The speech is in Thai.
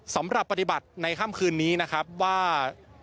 สำหรับปฏิบัติในค่ำคืนนี้นะครับว่า